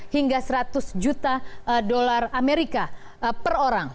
hingga seratus juta dolar amerika per orang